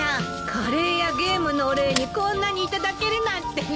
カレーやゲームのお礼にこんなに頂けるなんてね。